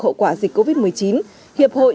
hậu quả dịch covid một mươi chín hiệp hội